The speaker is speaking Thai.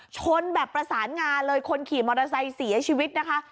ชนแบบประสานงานเลยคนขี่มอเตอร์ไซค์เสียชีวิตนะคะ